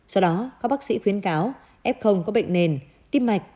sau đó các bác sĩ khuyên cáo f có bệnh nền tim mạch